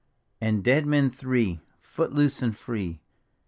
And dead men three, foot loose and free.